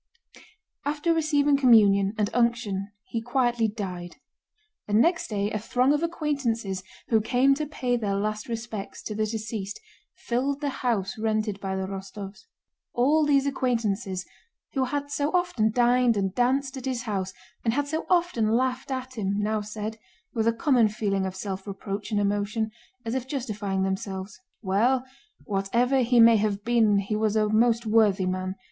After receiving communion and unction he quietly died; and next day a throng of acquaintances who came to pay their last respects to the deceased filled the house rented by the Rostóvs. All these acquaintances, who had so often dined and danced at his house and had so often laughed at him, now said, with a common feeling of self reproach and emotion, as if justifying themselves: "Well, whatever he may have been he was a most worthy man.